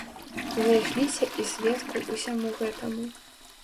Знайшліся і сведку ўсяму гэтаму.